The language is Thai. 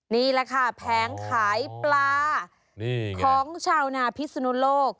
นี่แหละค่ะแผงขายปลาของชาวนาพิศนุโลก